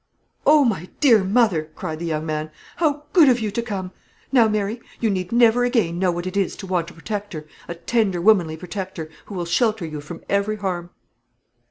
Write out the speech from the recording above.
"Oh, my dear mother," cried the young man, "how good of you to come! Now, Mary, you need never again know what it is to want a protector, a tender womanly protector, who will shelter you from every harm."